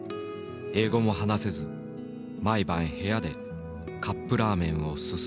英語も話せず毎晩部屋でカップラーメンをすすった。